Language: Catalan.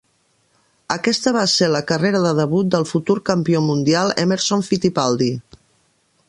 Aquesta va ser la carrera de debut del futur campió mundial Emerson Fittipaldi.